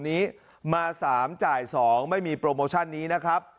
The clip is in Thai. นี้มา๓จ่าย๒ไม่มีโปรโมชั่นนี้นะครับ